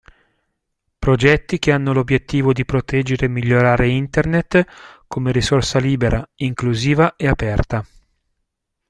Progetti che hanno l'obbiettivo di proteggere e migliorare Internet, come risorsa libera, inclusiva e aperta.